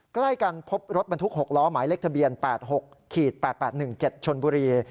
ใกล้กันพบรถบรรทุก๖ล้อหมายเลขทะเบียน๘๖๘๘๑๗ชนบุรี